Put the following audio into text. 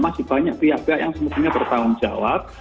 masih banyak pihak pihak yang semestinya bertanggung jawab